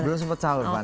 belum sempat sahur pak